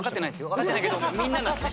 わかってないけどみんなならね。